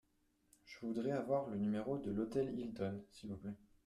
Je voudrais avoir le numéro de l’hôtel Hilton, s’il vous plait.